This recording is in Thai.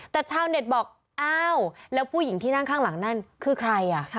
แต่ชาวเน็ตบอกอ้าวแล้วผู้หญิงที่นั่งข้างหลังนั่นคือใคร